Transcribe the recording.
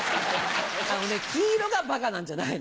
あのね黄色がバカなんじゃないの。